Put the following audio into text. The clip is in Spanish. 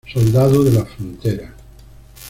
Soldado de la Frontera.